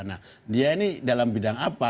nah dia ini dalam bidang apa